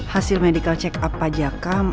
hasil medical check up pajakan